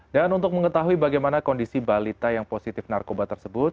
dan untuk mengetahui bagaimana kondisi balita yang positif narkoba tersebut